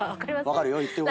分かるよ。